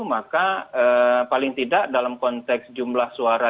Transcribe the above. maka paling tidak dalam konteks jumlah suara